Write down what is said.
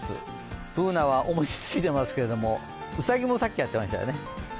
Ｂｏｏｎａはお餅をついていますけどうさぎもさっきやってましたよね。